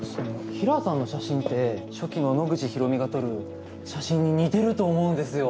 平良さんの写真って初期の野口大海が撮る写真に似てると思うんですよ。